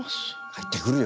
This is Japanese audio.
入ってくるよ。